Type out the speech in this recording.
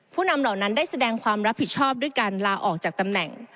นำเหล่านั้นได้แสดงความรับผิดชอบด้วยการลาออกจากตำแหน่ง